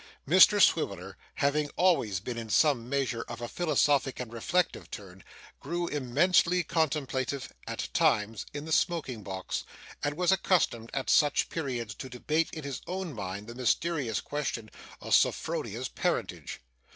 Mr Swiveller, having always been in some measure of a philosophic and reflective turn, grew immensely contemplative, at times, in the smoking box, and was accustomed at such periods to debate in his own mind the mysterious question of Sophronia's parentage.